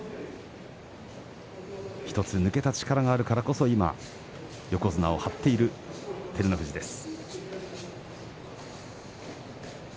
１つ抜けた力があるからこそ横綱を張っている照ノ富士です。